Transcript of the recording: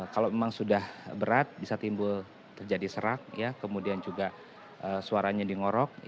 kalau memang sudah berat bisa timbul terjadi serak kemudian juga suaranya dingorok